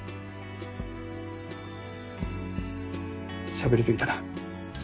しゃべり過ぎたな。